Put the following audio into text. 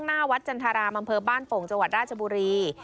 หน้าวัดจันทราบบ้านโป่งจราชบุรี